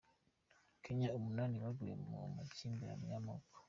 Kenya Umunani baguye mu makimbirane y’amoko